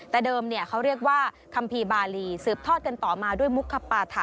แต่เดิมเขาเรียกว่าคัมภีร์บาลีสืบทอดกันต่อมาด้วยมุกคปาถะ